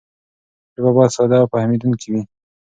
ژبه باید ساده او فهمېدونکې وي.